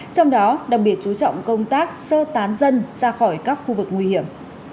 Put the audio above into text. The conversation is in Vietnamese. trong đó đặc biệt chú trọng công tác sơ tán dân ra khỏi các khu vực nguy hiểm